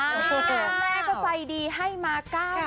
แม่ก็ใจดีให้มา๙๐๐